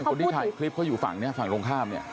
คนที่ถ่ายคลิปเขาอยู่ฝั่งนี้ฝั่งตรงข้ามเนี่ย